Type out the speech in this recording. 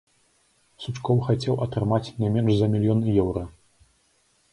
Сучкоў хацеў атрымаць не менш за мільён еўра.